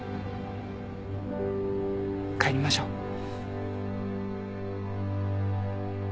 帰りましょう。